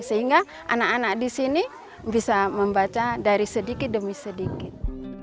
sehingga anak anak di sini bisa membaca dari sedikit demi sedikit